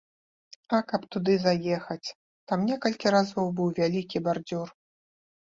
А каб туды заехаць, там некалькі разоў быў вялікі бардзюр.